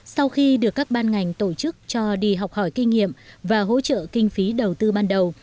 sau khi được các ban ngành tổ chức cho đi học hỏi kinh nghiệm và hỗ trợ kinh phí đầu tư ban đầu